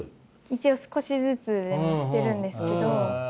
一応少しずつしてるんですけど。